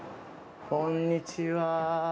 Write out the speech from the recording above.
こんにちは。